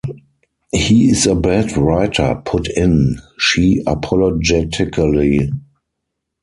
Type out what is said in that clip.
“He is a bad writer,” put in she apologetically.